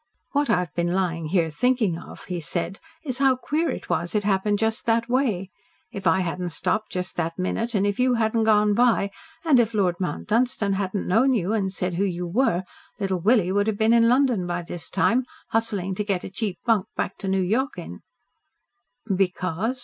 "What I've been lying here thinking of," he said, "is how queer it was it happened just that way. If I hadn't stopped just that minute, and if you hadn't gone by, and if Lord Mount Dunstan hadn't known you and said who you were, Little Willie would have been in London by this time, hustling to get a cheap bunk back to New York in." "Because?"